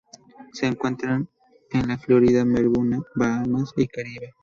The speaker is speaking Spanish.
Se encuentra en Florida, Bermuda, Bahamas y el Caribe.